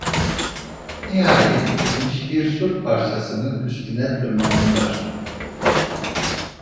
Nihayet yıkılmış bir sur parçasının üstüne tırmandılar.